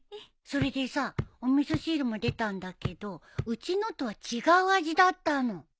それでさお味噌汁も出たんだけどうちのとは違う味だったの。